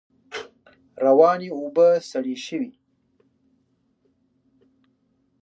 روانې اوبه سرې شوې.